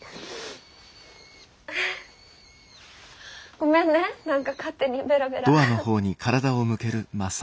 ごめんね何か勝手にベラベラ。